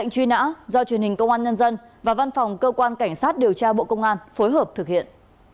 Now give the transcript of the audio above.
truyền hình công an nhân dân và văn phòng cơ quan cảnh sát điều tra bộ công an phối hợp thực hiện